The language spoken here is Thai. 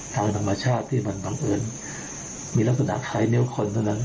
ทางธรรมชาติที่มันบังเอิญมีลักษณะคล้ายนิ้วคนเท่านั้น